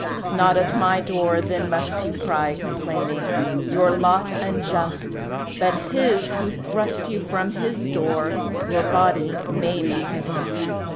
Not at my door then must you cry complaining Your lot unjust, But His who thrust You from His door your body maiming.